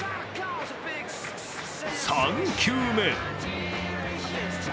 ３球目。